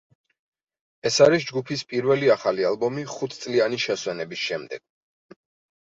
ეს არის ჯგუფის პირველი ახალი ალბომი ხუთწლიანი შესვენების შემდეგ.